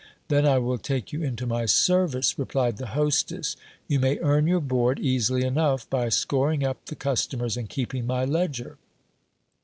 Then I will take you into my service, replied the hostess. You may earn your board easily enough, by scoring up the customers, and keeping my ledger.